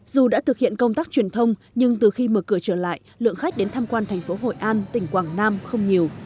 dù đã thực hiện công tác truyền thông nhưng từ khi mở cửa trở lại lượng khách đến tham quan thành phố hội an tỉnh quảng nam không nhiều